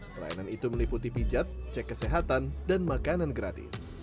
pelayanan itu meliputi pijat cek kesehatan dan makanan gratis